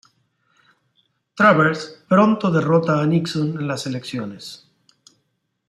Travers pronto derrota a Nixon en las elecciones.